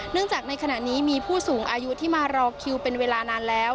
จากในขณะนี้มีผู้สูงอายุที่มารอคิวเป็นเวลานานแล้ว